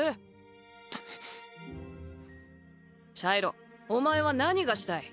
シャイロお前は何がしたい？